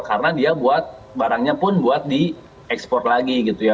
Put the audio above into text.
karena dia buat barangnya pun buat diekspor lagi gitu ya